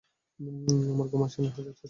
আমার ঘুম আসে না হাজার চেষ্টা করেও।